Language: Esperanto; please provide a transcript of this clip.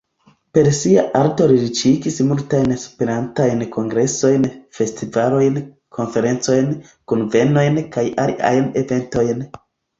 Per sia arto li riĉigis multajn Esperantajn kongresojn, festivalojn, konferencojn, kunvenojn kaj aliajn eventojn.